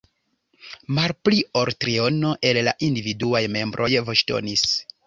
Malpli ol triono el la individuaj membroj voĉdonis.